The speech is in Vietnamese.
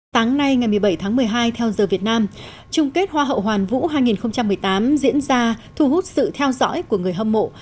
sáng nay ngày một mươi bảy tháng một mươi hai theo giờ việt nam chung kết hoa hậu hoàn vũ hai nghìn một mươi tám diễn ra thu hút sự theo dõi của người hâm mộ